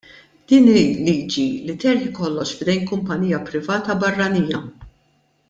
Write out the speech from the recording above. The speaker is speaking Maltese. Din hi liġi li terħi kollox f'idejn kumpanija privata barranija.